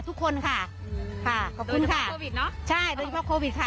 ทุกคนค่ะค่ะขอบคุณค่ะโควิดเนอะใช่โดยเฉพาะโควิดค่ะ